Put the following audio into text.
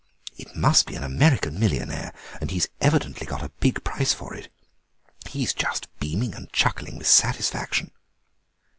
It must be an American millionaire, and he's evidently got a very big price for it; he's just beaming and chuckling with satisfaction."